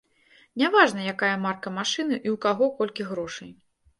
Няважна, якая марка машыны і ў каго колькі грошай.